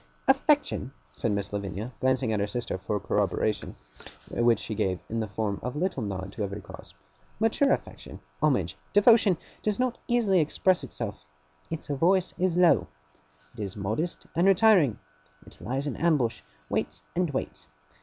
'Affection,' said Miss Lavinia, glancing at her sister for corroboration, which she gave in the form of a little nod to every clause, 'mature affection, homage, devotion, does not easily express itself. Its voice is low. It is modest and retiring, it lies in ambush, waits and waits.